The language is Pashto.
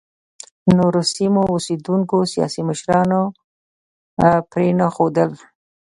نورو سیمو اوسېدونکو سیاسي مشران پرېنښودل.